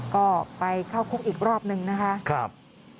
ก็ไปเข้าคุกอีกรอบนึงนะคะ